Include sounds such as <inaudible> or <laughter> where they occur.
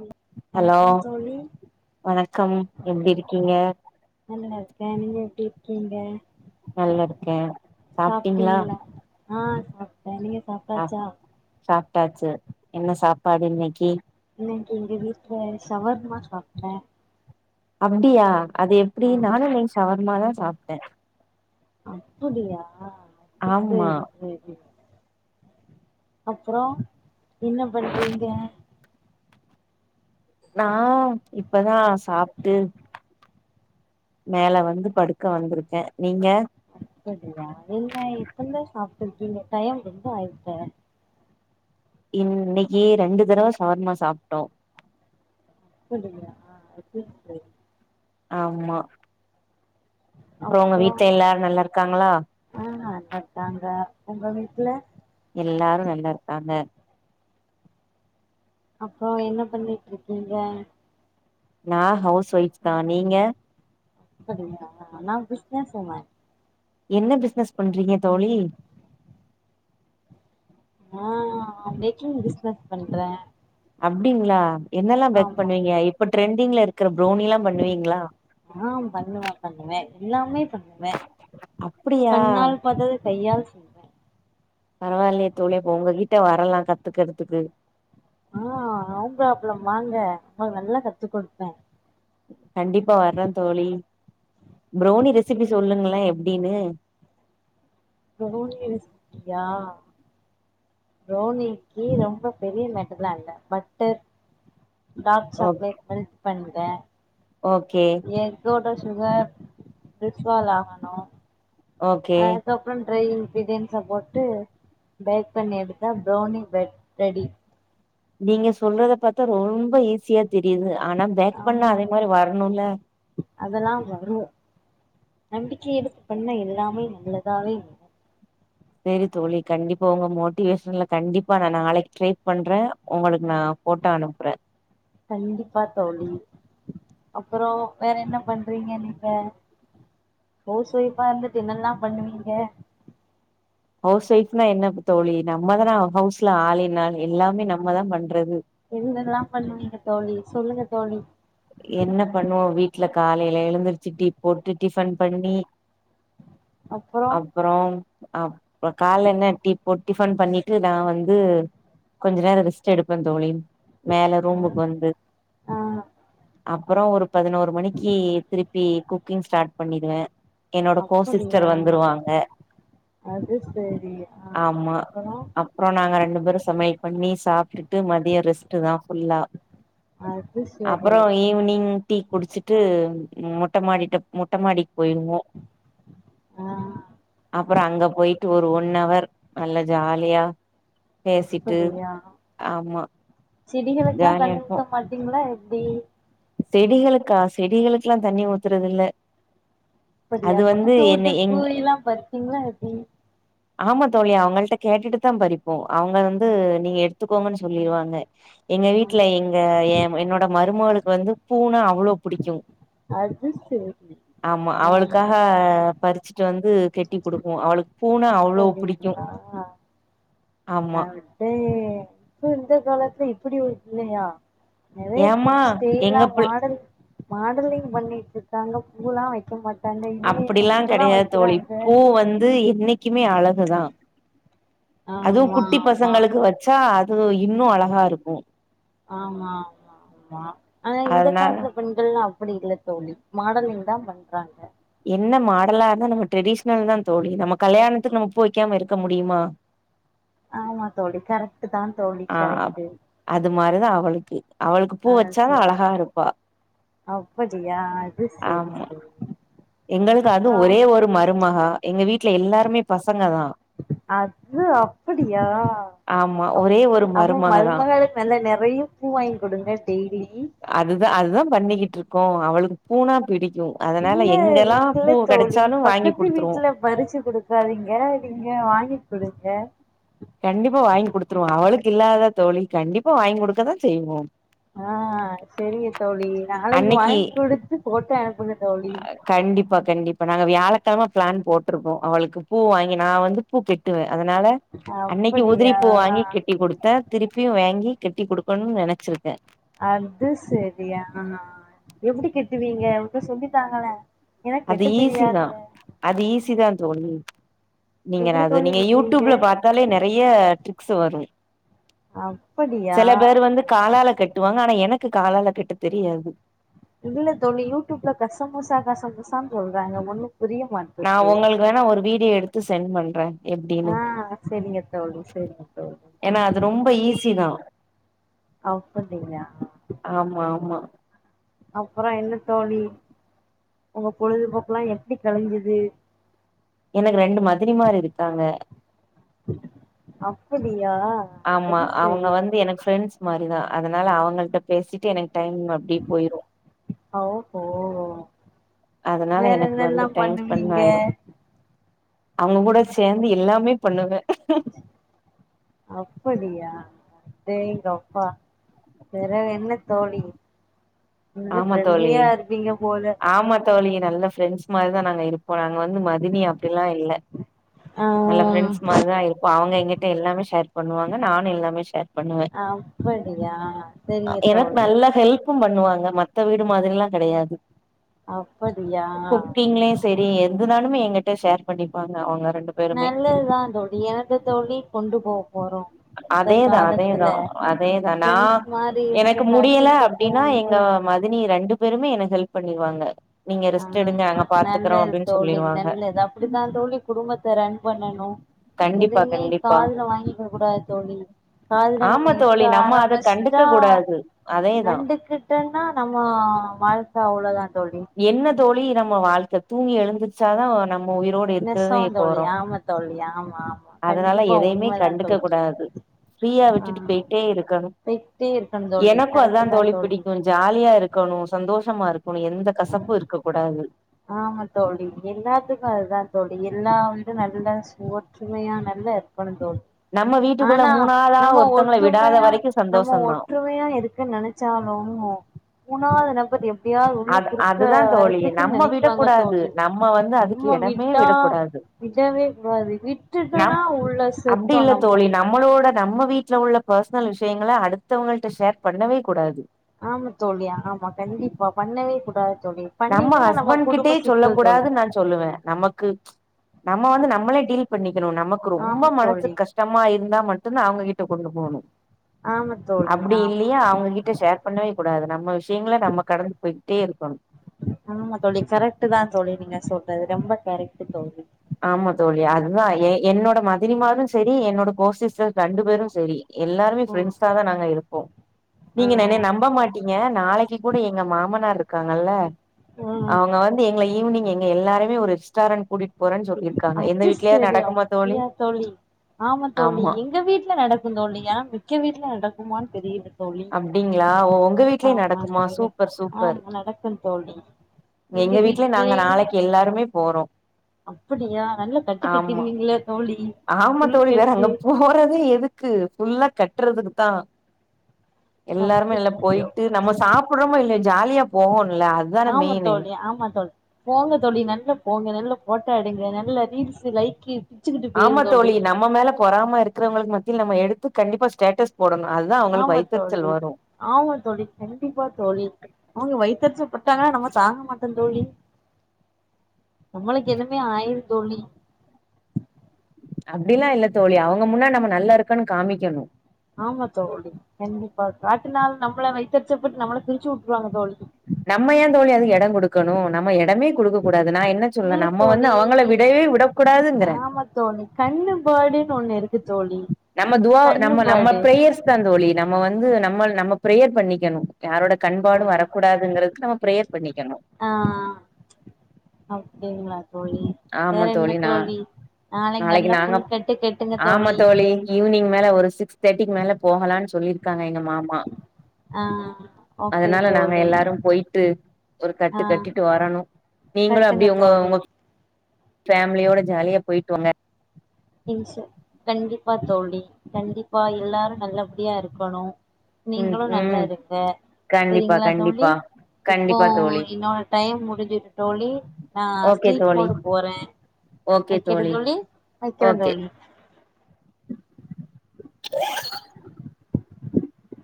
ல்ல ஹலோ வணக்கம் தோழி வணக்கம் எப்டி இருக்கீங்க நல்லாடா இருக்க நீங்க எப்டி இங்க நல்ல இருக்கே சாப்ட்டீங்களா சாப்டீங்ள ஆ அப் தனியா சாப்டாச்சா டாச்சு என்ன சாப்பாடு இன்னைக்கி எங்க வீட்ல சவர்மா சாப்டே அப்டியா அது எப்டி நானு இனைக் ஷவர்மாதா சாப்டே புடியா பு செரி செரி அப்றோ என்ன பண்றீங்க நா இப்பதா சாப்ட்டு மேல வந்து படுக்க வந்த்ருக்கே நீங்க அப்படியா இல்ல இப்ப தா சாப்டுருகீங்க டயம் ரொம்ப ஆயிட்டே இன்னைக்கி ரெண்டு தடவ ஷவர்மா சாப்டோ அப்புடியா அப்ப செரி ஆமா அப்றோ உங்க வீட்ல எல்லாரு நல்லாருக்காங்ளா ஆ நல்லா இருக்காங்க உங்க வீட்ல எல்லாரு நல்லாருக்காங்க அப்றோ என்ன பண்ணிட்ருக்கீங்க நா ஹவுஸ் ஒய்ஃப் தா நீங்க அப்படியா நா பிஸ்னஸுங்க என்ன பிஸ்னஸ் பண்றீங்க தோழி ஆ பேக்கிங் பிஸ்னஸ் பண்ற அப்டிங்ளா என்னெல்லா பேக் பண்ணுவீங்க இப்ப ட்ரெண்டிங்ல இருக்ற ப்ரோனில்லா பண்ணுவீங்ளா ஆ பண்ணுவே பண்ணுவே எல்லாமே வே கண்ணால் பாத்தது கையால் செய்வே பரவால்லையே தோழி அப்ப உங்ககிட்ட வரலா கத்துக்றதுக்கு ஆ வாங்க அப்ளம் வாங்க நா நல்லா கத்து குடுப்பே கண்டிப்பா வர்றே தோழி ப்ரௌனி ரெசிபி சொல்லுங்களே எப்டின்னு ப்ரௌனி ரெசிபியா ப்ரௌனிக்கு ரொம்ப பெரிய மேட்டர்லால்ல butter dark okay chocolate melt பண்ணி க ஓகே எக்கோடஷ் சுகர் டிஸ்வால் ஆகணூ ஓகே ட்ரை இன்க்ரிடியன்ஸ போட்டு பேக் பண்ணி எடுத்தா ப்ரௌனி பெட் ரெடி நீங்க சொல்றத பாத்தா ரொம்ப ஈஸியா தெரியுது ஆனா பேக் பண்ணா ஆமா அதே மாரி வரணூல அதெல்லா வரூ நம்பிக்கை எடுத்து பண்ண எல்லாமே நல்லதாவே வரூ செரி தோழி கண்டிப்பா உங்க மோட்டிவேஷன்ல கண்டிப்பா நா நாளைக்கு ட்ரை பண்றே உங்களுக்கு நா போட்டோ அனுப்புறே கண்டிப்பா தோழி அப்றோ வேறென்ன பண்றீங்க நீங்க ஹவுஸ் ஒய்ஃபா இருந்துட்டு என்னல்லா பண்ணுவீங்க ஹவுஸ் ஒய்ஃப்னா என்ன தோழி நம்மதான ஹவுஸ்ல ஆல் இன் ஆல் ல்லாமே நம்ம தா பண்றது என்னன்லா பண்ணுவீங்க தோழி சொல்லுங்க தோழி ட்ல காலையில எழுந்துருச்சு டீ போட்டு டிஃபன் பண்ணி அப்புறோ அப்றோ அப்ப கால்ல என்ன டீ போட் டிஃபன் பண்ணிட்டு நா வந்து கொஞ்ச நேரோ ரெஸ்ட் எடுப்பே தோழி மேல ரூம்புக் வந்து ஆ அப்பறோ ஒரு பதினோரு மணிக்கு திருப் பி குக்கிங் ஸ்டார்ட் பண்ணிடுவே என்னோட கோசிஸ்டர் அப்படியா வந்துருவாங்க அது சரி ஆ ஆமா அப்புறோ அப்பறோ நாங்க ரெண்டு பேரு சமையல் பண்ணி சாப்ட்டுட்டு மதியோ ரெஸ்ட தா ஃபுல்லா அது ஸ் அப்றோ ஈவினிங் டீ குடிச்சிட்டு ம் மொட்ட மாடிட்ட மொட்ட மாடி போய்ருவோ ஆ அப்பறோ அங்க போய்ட்டு ஒரு ஒ ன்னவர் நல்ல ஜாலியா பேசிட்டு ஆமா செடிகளுக்லா ஜாலியா தண்ணி இருக்கு ஊத்த மாட்டீங்களா எப்டி செடிகளுக்கா செடிகளுக்லா தண்ணி ஊத்தறதில்ல அப்படியா பக்கத்து ஊட்டு பூயில்லா பறிப்பீங்களா எப்டி ஆமா தோழி அவங்கள்ட்ட கேட்டுட்டு தா பறிப்போ அவங்க வந்து நீங்க எடுத்துக்கோங்கன் சொல்லிருவாங்க எங்க வீட்ல ம் எங்க ஏ என்னோட ம ருமகளுக்கு வந்து பூன்னா அவ் ளோ புடிக்கு அது செரி ஆமா ஆ அவளுக்காக பறிச்சிட்டு வந்து கெட்டி குடுக்ணு அவளுக் அப்படிங்களா ஆமா அடே இப்ப இந்த காலத்துல இப்படி ஒரு பிள்ளயா நெறையா ஏமா பிள்ளைங் ஸ்டைலா எங்க பிள் மாடல் மாடலிங் பண்ணிட்ருக்காங்க பூல்லா வெக்க மாட் அப்படில்லா கெடையாது தோழி பூ வந்து என்னைக்குமே அழ குதா அதுவு ஆமா குட்டி ஆமா பசங்களுக்கு வச்சா <unintelligible> அழகா இருக்கு ஆமா ஆமா ஆமா ஆனா இந்த அதனால காலத்துல பெண்கள்லா அப்படி இல்ல தோழி மாடலிங் தா பண்றாங்க என்ன மாடலா இருந்தா நம்ம ட்ரெடிஷனல் தா தோழி நம்ம கல்யாணத்துக்கு நம்மப் பூ வெக்காம இருக்க முடியுமா ஆமா தோழி கரக்ட் தா தோழி ஆ கரெக்டு அது மாரிதா அவளுக்கு அவளுக்கு பூ வச்சாலும் அழகா இருப்பா அப்படியா அது செரி ஆமா செரி எங்களுக்கு அது அப்றோ ஒரே ஒரு மருமக எங்க வீட்டுல எல்லாருமே பசங்க தா அது அப்படியா ஆமா அப் ஒரே ஒரு அதுவு மருமக தா மருமகளுக்கு நல்லா நெறைய பூ வாங்கி கொடுங்க டெய்லி அதுதா அதுதா பண்ணிக்கிட்ருக்கோ அவளுக்கு பூ னா பிடிக் அதனால இல்ல எங்கெல்லா இது தோழி கெடச்சாலு வாங்கி பக்கத்து குடுத்துருவோ வீட்டுல பறிச்சு குடுக்காதீங்க நீங்க வாங்கி் குடுங்க கண்டிப்பா வாங்கி கொடுத்துருவோம் அவளுக்கு இல்லாத தோழி கண்டிப்பா வாங்கி கொடுக்க தா செய்வோ ஆஹ் சரி தோழி நாளைக்கு வாங்கி அன்னைக்கு கொடுத்து போட்டோ அனுப் கண்டிப்பா கண்டிப்பா நாங்க வியாழ பத்தமா பிளான் போட்டிருக்கோ அவளுக்கு பூ வாங்கி நா வந்து பூ கெட்டுவே அதனால அன்னைக்கு உதிரி அப்படியா பூ வாங்கி கெட்டி கொடுத்தே திருப்பியு வாங்கி கட்டி கொடுக்கணும்னு நெனைச்சிருக்கே அது சரி ஆஹ் எப்படி கெட்டுவீங்க வந்து சொல்லி தாங்களே எனக்கு அது கெட்ட ஈசி தா தெரியாது அது ஈசி தான் தோழி நீங்க எப்டி அது தோழி நீங்க கெட்டுவீங்க யூடியூப்ல பாத்தாலே நெறைய ட்ரிப் ஆச வரு அப்படியா செல பேரு வந்து காலால கட் கட்டுவாங்க ஆனா எனக்கு காலால கட்ட தெரியாது இல்ல தோழி யூடியூப்ல கசமோசா கசமோசான்னு சொல்றாங்க ஒன்னு நா உங்களுக்கு வேணா ஒரு வீடியோ எடுத்துஸ் செண்ட் பண்ற எப்டின்னு ஆ செரிங்க தோழி செரிங்க தோழி ஏன்னா அது ரொம்ப ஈஸி தா அப்படியா ஆமா ஆமா அப்பறம் என்ன தோழி உங்க பொழுதுபோக்கு எல்லா எப்படி கழிஞ்சிது எனக்கு ரெண்டு மதினி மார் இருக்காங்க அப்படி ஆமா அவங்க வந்து எனக்கு ஃப்ரெண்ட்ஸ் மாரிதா அதனால அவங்கள்ட பேசிட்டு எனக்கு டைம் அப்டி போயிரும் ஓஹோ அதனால வேற எனக்கு வந்து என்னல்லா டைம் ஸ்பெண்ட் பண்ணுவீங்க? ஆயிரு அவங்க கூட சேர்ந்து எல்லாமே பண்ணுவே அப்படியா அடேங்கப்பா பெறகு என்ன தோழி நல்ல ஆமா தோழி, ஃப்ரெண்ட்லியா இருப்பீங்க போல ஆமா தோழி நல்ல ப்ரெண்ட்ஸ் மாரி தான் நாங்க இருப்போங் ஆ நாங் வந்து மதினி அப்டிலாம் இல்ல, ஆ நல்ல ப்ரெண்ட்ஸ் மாரி தான் இருப்போம் அவங்க எங்கிட்ட எல்லாமே ஷேர் பண்ணுவாங்க நானும் எல்லாமே ஷேர் பண்ணுவே ஆ ஹ் சரிங்க தோழி க்கும் பண்ணுவாங்க மத்த வீடு மாதிரிலாம் கிடையாது அப்படியா ஆ எதுனாலுமே எங்கிட்ட ஷேர் பண்ணிப்பாங்க அவங்க ரெண்டு பேருமே நல்லதுதான் தோழி என்னத்த தோழி கொண்டு போ போறோம் இந்த அதேதா காலத்துல அதேதா அதேதா நா பிரெண்ட்ஸ் மாரி இருந்து எனக்கு முடியல கழிச்சுட்டு போ அப்டின்னா எங்க வே மதினி ரெண்டு பேருமே எனக்கு ஹெல்ப் பண்ணிருவாங்க நீங்க ஆ ரெஸ்ட் எடுங்க நாங்க பாத்துக்குறோ நல்லது அப்டின்னு தோழி சொல்லிருவாங்க நல்லது அப்படித்தான் தோழி குடும்பத்த ரன் பண்ணணும் கண்டிப்பா எதையுமே கண்டிப்பா காதுல வாங்கிக்க கூடாது தோழி காதுல நம்ம ஆமா எடுக்க தோழி நம்ம அத கண்டுக்க ஆரம்பிச்சிட்டா கூடாது அதேதா நண்டுக்கிட்டேன்னா நம்ம வாழ்க்கை அவ்ளோதான் என்ன தோழி நம்ம வாழ்க்கை தூங்கி எழுந்தர்ச்சா தான் நம் நம்ம உயிரோடு நெசோ இருக்கறதே தோழி போறோம் ஆமா தோழி ஆமா ஆமா அதனால கண்டிப்பா எதையுமே உண்மதா கண்டுக்க தோழி கூடாது ஃப்ரீயா ஆ விட்டுட்டு போயிட்டே இருக்கணும் போய்கிட்டே இருக்கணு தோழி எனக்கும் கரெக்ட்டு அதுதான் தா தோழி புடிக்கும் ஜாலியா இருக்கணும் சந்தோஷமா இருக் உன்ன எந்த கசப்பு இருக்க கூடாது ஆமா தோழி எல்லாத்துக்கும் அதுதான் தோழி எல்லா வீடும் நல்ல ஒற்றுமயா நல்ல இருகணும் தோழி நம்ம வீட்டுக்குள்ள ஆனா மூணாளா நம்ம ஒருத்தங்கள விடாத ஒற்றுமையா வரைக்கு நம்ம சந்தோஷந்தா ஒற்றுமையா இருக்க நெனச்சாலும் உனாதுன சரிய எப்படியாது உள்ள குறுக்க வரத்துக்குன்னு நினைக் கூடாது நம்ம வந்து அதுக்கு இடமே விடக்கூடாது விடவே கூடாது ந விட்டுட்டோனா உள்ள அப்படி செத்தோ இல்ல நம்மோ தோழி நம்மளோட நம்ம வீட்ல உள்ள பர்சனல் விஷயங்கள அடுத்தவங்கள்ட ஷேர் பண்ணவே கூடாது ஆமா தோழி ஆமா கண்டிப் நம்ம ஹஸ்பண்ட் கிட்டே குடும்ப சொல்ல சிக்கல் தோழி கூடாதுன்னு நான் சொல்லுவேன் நமக்கு நம்ம வந்து நம்மளே டீல் பண்ணிக்கணும் நமக்கு ரொம்ப ஆமா மனசு தோழி கஷ்டமா இருந்தா மட் டும் தான் அவங்க கிட்ட கொண்டு போணும் ஆமா தோழி அப்படி ஆமா இல்லயா அவங்ககிட்ட ஷேர் பண்ணவே கூடாது நம்ம விஷ யங்களா நம்ம கடந் போயிட்டே இருக்கணு ஆமா தோழி கரெக்ட்டு தான் தோழி நீங்க சொல்றது ரொம்ப கரெக்ட்டு தோழி ஆமா தோழி அதுதான் என்னோட மதனி மாரு செரி என்னோட கோ சிஸ்டர் ரெண்டு பேரு செரி எல்லாருமே ம் ஃப்ரெண்ட்ஸா தான் நாங்க இருப்போம் ஆ நீங்க எனய நம்ப மாட்டீங்க நாளைக்கு கூட எங்க மாமனாருக்கு இருக்காங்கல்ல ம் அவுங்க வந்து எங்கள ஈவினிங் எ எல்லாருமே ஒரு ரெஸ்டாரண்ட் கூட்டிட்டு போறே அது செரி அப்டிய தோழி ஆமா தோழி எங்க வீட்ல நடக்கூ தோழி ஏன்னா மிக்க வீட்டுல நடக்கு மான்னு தெரியல தோழி அப்டிங்களா உங்க வீட்லயே ஆமா நடக்குமா தோழி சூப்பர் சூப்பர் ஆமா நடக்கு தோழி எங்க வீட்ல நாங்க நாளைக்கு எல்லாருமே போறோ அப்படியா நல்லா கட்டு ஆமா கட்டிருவீங்களா தோழி ஆமா தோழி வேற உள்கட்டு அங்க போறதே எதுக்கு ஃபுல்லா கட்டுறதுக்கு தான் எல்லாருமே நல்ல அப்படியோ போயிட்டு நம்ம சாப்பிடறோமோ இ ஜாலியா போ ஆமா தோழி ஆமா தோழி போங்க தோழி நல்ல போங்க நல்ல போட் காடிங்க நல்ல ரீல்ஸு லைக்கி ஆமா தோழி நம்ம மேல பொறாமருக்றவுங்ளுக்கு மத்தில நம்ம எடு து கண்டிப்பா ஸ்டேட்டஸ் போடணு அதுதா அவங்களுக்கு ஆமா வைத்தெரிச்சல் தோழி வரு ஆமா தோழி கண்டிப்பா தோழி அவுங்க வைத்தெருச்சல் பட்டாங்கனா நம்ம தாங்க மாட்டோ தோழி நம்மளுக்கு என்னமே ஆயிரு தோழி அப்டிலா இல்ல தோழி அவுங்க முன்னாடி நம்ம நல்லாருக்கனு காமிக்கணு ஆமா தோழி கண்டிப்பா காட்டுனா நம்மள வைத்தெருச்ச பட்டு நம்மள பிருச்சுட்ருவாங்க தோழி நம்ம கொழுக்கப்பட் டாது நா என்ன சொல்லனா இல்ல நம்ம வந்து தோழி அவுங்கள விடவே விடக்கூடாதுங்றே ஆமா தோழி கண்ணுபாடுன்னு ஒண்ணு இருக்கு தோழி நம்ம துவா நம்ம நம்ம கண்ணுபாடு பிரேயர்ஸ் தா தோழி நம்ம வந் து நம்மல் நம்ம பிரேயர் பண்ணிகணு யாரோட கண்பாடு வரக்கூடாதுங்றக்கு நம்ம பிரேயர் பண்ணிகனு ஆஹ் அப்டிங்ளா ஆமா தோழி நா நாளைக்கு நாளைக் நல்லா நாங்க புல் கட்டு கட்டுங்க ஆமா தோழி ஈவினிங் மேல ஒரு சிக்ஸ் தே டிக்கு மேல போகலான்ச் சொல்லிருக்காங்க எங்க மாமா ஆ ஓகே அதனால நாங்க தோழி எல்லாரு போய்ட்டு ஒரு கட்டு ஆ கட்டிட்டு வரணு நீங்களு கட்டுங்க அப்டியே உங்க தோழி உங்க ஃபேமிலியோட ஜாலியா போய்ட்டுவாங்க ம் சர் கண்டிபா தோழி கண்டிப்பா எல்லாரு நல்லப்டியாருக்குணு ம் நீங்களு ம் நல்லாருங்க கண்டிப்பா செரிங்ளா தோழி கண்டிப்பா இப்போ கண்டிப்பா தோழி என்னோட டைம் முடுஞ்சுது தோழி நா ஓகே ஸ்லீப் தோழி மோடுக் போறே ஐ ஓகே தோழி <unintelligible> <inaudible> <inaudible> வைக்கிரந் ஓகே தோழி <inaudible>